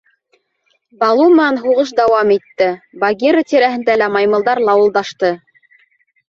Балу менән һуғыш дауам итте, Багира тирәһендә лә маймылдар лауылдашты.